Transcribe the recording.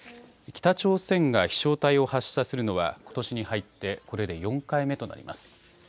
北朝鮮が飛しょう体を発射するのはことしに入ってこれで４回目となります。